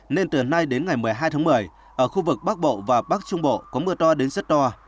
nên từ nay đến ngày một mươi hai tháng một mươi ở khu vực bắc bộ và bắc trung bộ có mưa to đến rất to